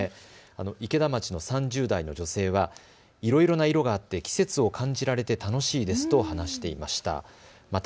池田町の３０代の女性はいろいろな色があって季節を感じられて楽しいですと話していました。